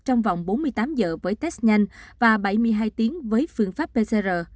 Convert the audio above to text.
trong vòng bốn mươi tám giờ với test nhanh và bảy mươi hai tiếng với phương pháp pcr